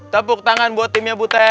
tepuk tangan buat timnya butre